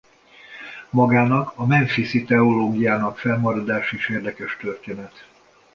Magának a Memphiszi Teológiának fennmaradása is érdekes történet.